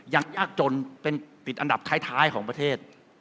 ยากจนเป็นติดอันดับท้ายของประเทศ